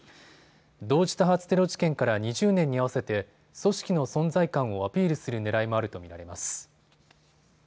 同時多発テロ事件から２０年に合わせて組織の存在感をアピールするねらいもあると見られます。